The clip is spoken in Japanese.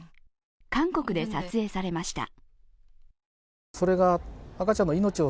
韓国で撮影されました。